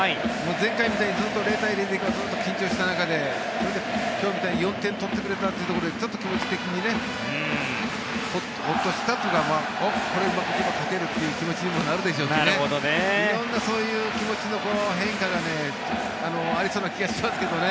前回みたいに０対０でずっと緊張した中で今日みたいに４点取ってくれたところでちょっと気持ち的にホッとしたというかこれ、うまくいけば勝てるという気持ちにもなるでしょうしね色んな、そういう気持ちの変化がありそうな気がしますけどね。